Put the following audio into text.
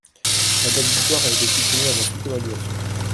La date butoir a été supprimée avant toute évaluation.